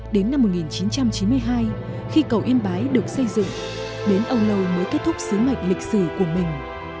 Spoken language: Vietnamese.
đến năm một nghìn chín trăm chín mươi hai khi cầu yên bái được xây dựng bến ông lâu mới kết thúc sứ mệnh lịch sử của mình